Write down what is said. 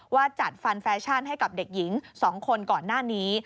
จัดฟันแฟชั่นให้กับเด็กหญิง๒คนก่อนหน้านี้